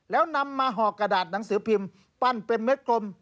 แล้วนำมาห่อกระดาษหนังสือพิมพ์ปั้นเป็นเม็ดกลม